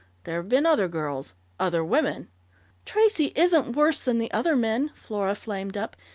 There've been other girls other women " "Tracey isn't worse than the other men!" Flora flamed up.